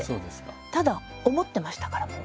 ただ思ってましたからもう。